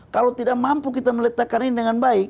kalau tidak mampu kita meletakkan ini dengan baik